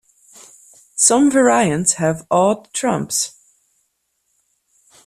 Some variants have "Odd Trumps".